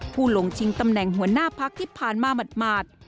ผู้ลงชิงตำแหน่งหัวหน้าพักที่ผ่านมาหมาด